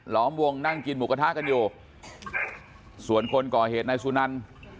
ล้อมวงนั่งกินหมูกระทะกันอยู่ส่วนคนก่อเหตุนายสุนัน